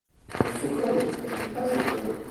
Mes faux cols ?… je n’ai pas de faux cols !